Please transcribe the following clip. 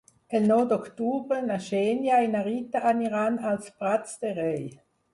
El nou d'octubre na Xènia i na Rita aniran als Prats de Rei.